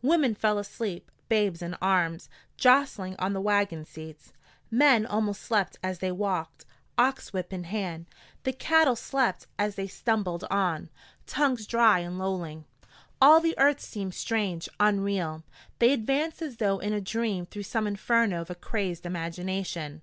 Women fell asleep, babes in arms, jostling on the wagon seats; men almost slept as they walked, ox whip in hand; the cattle slept as they stumbled on, tongues dry and lolling. All the earth seemed strange, unreal. They advanced as though in a dream through some inferno of a crazed imagination.